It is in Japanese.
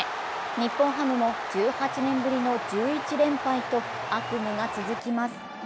日本ハムも１８年ぶりの１１連敗と悪夢が続きます。